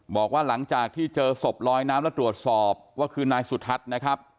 บอกว่าหลังจากที่เจอศพลอยน้ำและตรวจสอบว่าคือนายสุทัศน์นะครับ